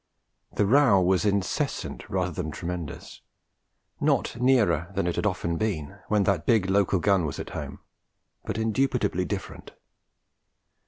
The row was incessant rather than tremendous; not nearer than it had often been, when that big local gun was at home, but indubitably different.